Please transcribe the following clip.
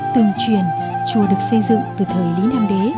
tương truyền chùa được xây dựng từ thời lý nam đế